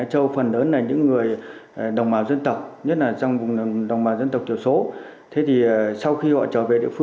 sau khi mà được gặp